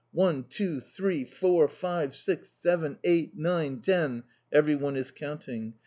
One! two! three! four! five! six! seven! eight! nine! ten! Everyone is counting.